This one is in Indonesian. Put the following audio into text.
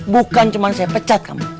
bukan cuma saya pecat kamu